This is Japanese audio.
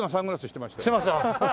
してました？